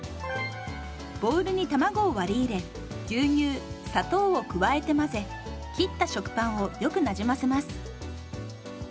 ボウルに卵を割り入れ牛乳砂糖を加えて混ぜ切った食パンをよくなじませます。